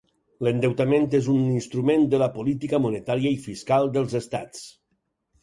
L'endeutament és un instrument de la política monetària i fiscal dels estats.